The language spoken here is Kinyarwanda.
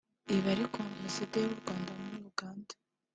Ibi ariko Ambasaderi w’u Rwanda muri Uganda